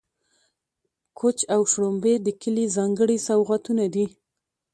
کوچ او شړومبې د کلي ځانګړي سوغاتونه دي.